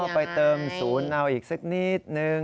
ไปเติม๐เอาอีกสักนิดนึง